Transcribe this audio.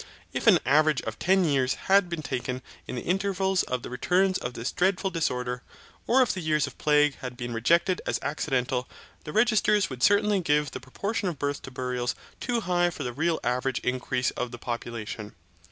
If an average of ten years had been taken in the intervals of the returns of this dreadful disorder, or if the years of plague had been rejected as accidental, the registers would certainly give the proportion of births to burials too high for the real average increase of the population.